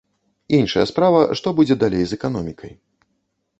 Іншая справа, што будзе далей з эканомікай.